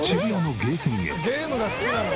ゲームが好きなんだ。